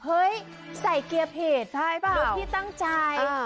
เฮ้ยใส่เกียร์เพจรถพี่ตั้งใจ